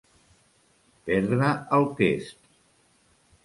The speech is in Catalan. Perdre el quest.